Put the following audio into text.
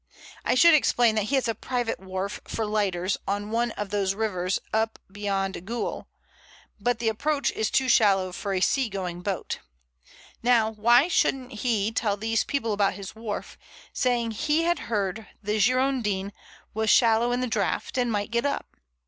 I should explain that he has a private wharf for lighters on one of those rivers up beyond Goole, but the approach is too shallow for a sea going boat. Now, why shouldn't he tell these people about his wharf, saying he had heard the Girondin was shallow in the draught, and might get up?